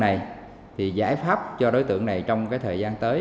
đơn vị đều có quy định cho thạch thị